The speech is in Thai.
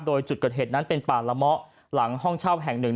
โดยจุดเกิดเหตุนั้นเป็นป่าละเมาะหลังห้องเช่าแห่งหนึ่ง